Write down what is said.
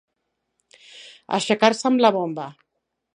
Aixecar-se amb la bomba.